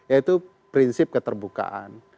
yaitu prinsip keterbukaan